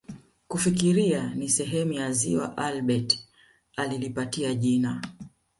Kufikiria ni sehemu ya ziwa Albert alilipatia jina